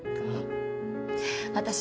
ああ。